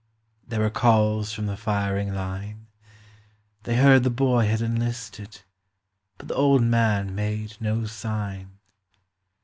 There were calls from the firing line; They heard the boy had enlisted, but the old man made no sign.